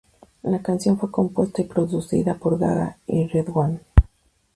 La canción fue compuesta y producida por Gaga y RedOne.